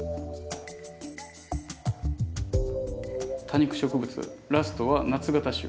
多肉植物ラストは夏型種。